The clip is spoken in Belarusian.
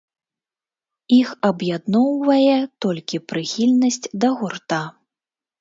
Іх аб'ядноўвае толькі прыхільнасць да гурта.